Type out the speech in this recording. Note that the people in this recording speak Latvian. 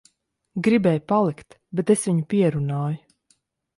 Gribēja palikt, bet es viņu pierunāju.